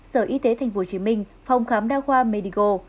sở y tế tp hcm phòng khám đa khoa medigo